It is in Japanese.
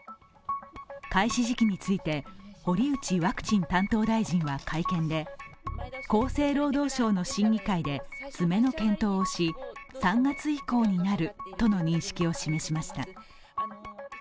開始時期について堀内ワクチン担当大臣は会見で厚生労働省の審議会で詰めの検討をし、３月以降になるとの認識を示しました。